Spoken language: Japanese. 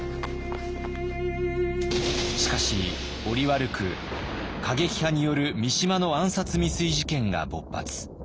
しかし折悪く過激派による三島の暗殺未遂事件が勃発。